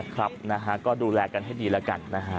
ก็ดูแลกันให้ดีละกัน